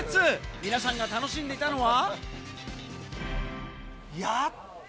皆さんが楽しんでいたのは。